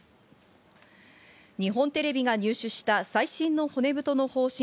日本テレビが入手した最新の骨太の方針